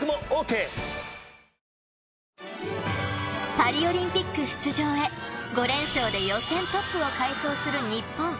パリオリンピック出場へ５連勝で予選トップを快走する日本。